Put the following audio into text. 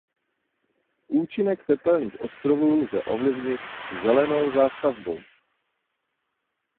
Účinek tepelných ostrovů lze ovlivnit „zelenou zástavbou“.